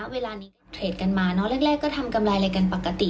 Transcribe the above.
เวลานี้ก็เทรดกันมาแรกก็ทำกำไรอะไรกันปกติ